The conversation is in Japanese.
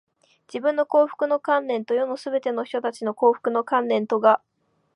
自分の幸福の観念と、世のすべての人たちの幸福の観念とが、